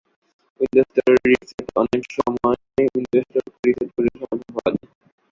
Windows store রিসেটঅনেক সময় Windows স্টোরকে রিসেট করেও সমাধান পাওয়া যায়।